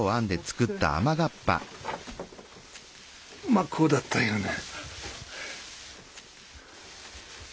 まあこうだったよね。